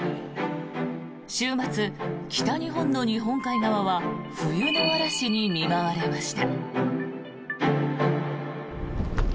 週末、北日本の日本海側は冬の嵐に見舞われました。